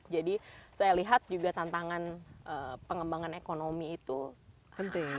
jadi saya lihat juga tantangan pengembangan ekonomi itu penting